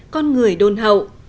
con người đôn hậu